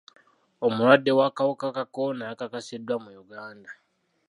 Omulwadde w'akawuka ka kolona yakakasiddwa mu Uganda.